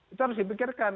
itu harus dipikirkan